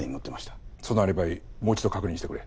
そのアリバイもう一度確認してくれ。